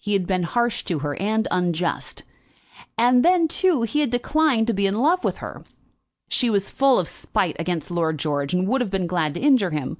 He had been harsh to her, and unjust; and then, too, he had declined to be in love with her! She was full of spite against Lord George, and would have been glad to injure him.